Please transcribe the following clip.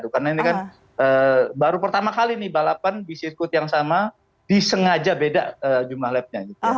karena ini kan baru pertama kali nih balapan di sirkut yang sama disengaja beda jumlah lapnya